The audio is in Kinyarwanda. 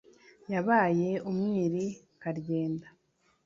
Yabaye umwiri* Karyenda.